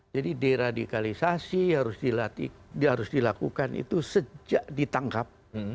jadi deradikalisasi harus dilakukan itu sejak ditangkap